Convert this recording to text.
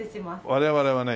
我々はね